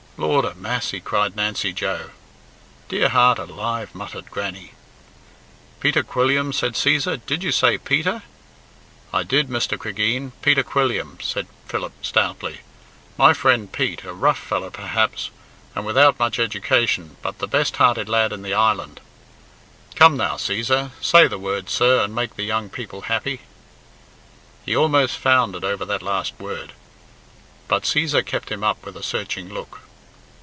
"Lord a massy!" cried Nancy Joe. "Dear heart alive!" muttered Grannie. "Peter Quilliam!" said Cæsar, "did you say Peter?" "I did, Mr. Cregeen, Peter Quilliam," said Philip stoutly, "my friend Pete, a rough fellow, perhaps, and without much education, but the best hearted lad in the island. Come now, Cæsar, say the word, sir, and make the young people happy." He almost foundered over that last word, but Cæsar kept him up with a searching look.